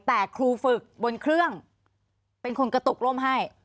แต่ครูฝึกบนเครื่องเป็นคนกระตุกร่มให้